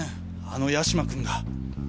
あの八島君が。